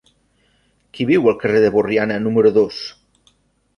Qui viu al carrer de Borriana número dos?